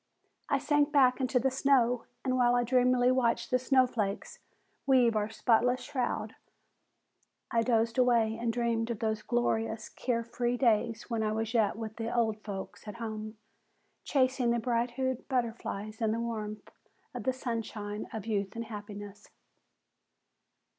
I sank back into the snow and while I dreamily watched the snowflakes weave our spotless shroud, I dozed away and dreamed of those glorious, care free days when I was yet with the "old folks" at home, chasing bright hued butterflies in the warmth of the sunshine of youth and happiness.